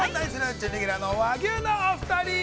準レギュラーの和牛のお二人。